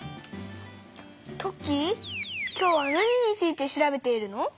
トッキー今日は何について調べているの？